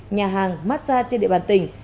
nhà hàng massage trên địa bàn tỉnh